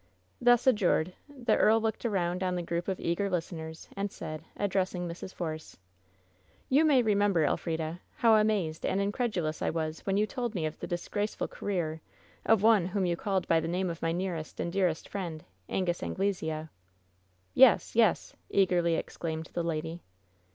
Thus adjured, the earl looked around on the group of eager listeners, and said, addressing Mrs. Force: "You may remember, Elfrida, how amazed and in credulous I was when you told me of the disgraceful ca reer of one whom you called by the name of my nearest and dearest friend — Angus Anglesea." "Yes! yes!" eagerly exclaimed the lady.